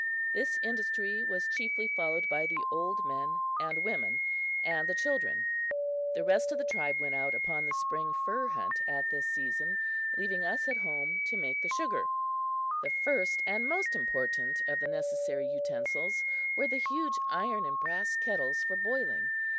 This industry was chiefly followed by the old men and women and the children. The rest of the tribe went out upon the spring fur hunt at this season, leaving us at home to make the sugar. The first and most important of the necessary utensils were the huge iron and brass kettles for boiling.